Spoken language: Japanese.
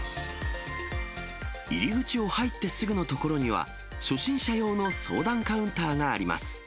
入り口を入ってすぐの所には、初心者用の相談カウンターがあります。